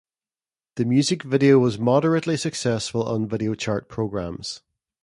The music video was moderately successful on video chart programs.